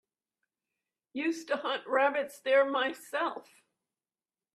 Used to hunt rabbits there myself.